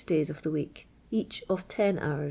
iy* of the week, each of lu hour.